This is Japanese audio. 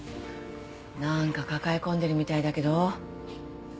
なんか抱え込んでるみたいだけど。